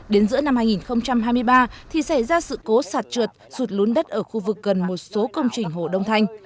đến giữa năm hai nghìn hai mươi ba thì xảy ra sự cố sạt trượt sụt lún đất ở khu vực gần một số công trình hồ đông thanh